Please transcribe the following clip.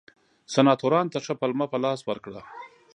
سناتورانو ته ښه پلمه په لاس ورکړه.